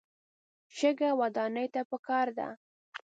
شګه ودانۍ ته پکار ده.